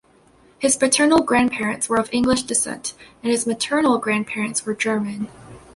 His paternal grandparents were of English descent and his maternal grandparents were German.